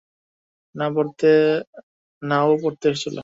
না, ও পড়তে এসেছিলো।